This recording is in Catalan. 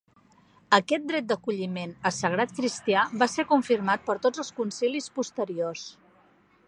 Aquest dret d'acolliment a sagrat cristià va ser confirmat per tots els concilis posteriors.